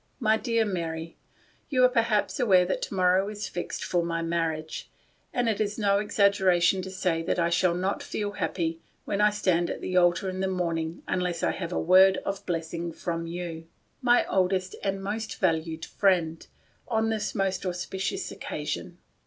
"My Dear Mart: " You are perhaps aware that to morrow is fixed for my marriage, and it is no exaggera tion to say that I shall not feel happy when \s. ■*.* THE GATE OF SILENCE. 271 I stand at the altar in the morning unless I have a word of blessing from you, my oldest and most valued friend, on this most auspicious occasion.